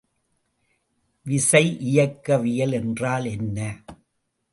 விசை இயக்கவியல் என்றால் என்ன?